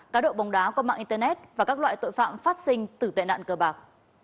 cá độ bóng đá qua mạng internet và các loại tội phạm phát sinh từ tệ nạn cờ bạc